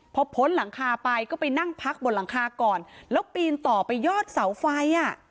พอพ้นหลังคาไปก็ไปนั่งพักบนหลังคาก่อนแล้วปีนต่อไปยอดเสาไฟอ่ะ